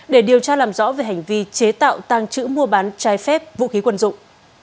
để điều tra làm rõ về hành vi chế tạo tăng chữ mua bán trái phép vũ khí quân dụng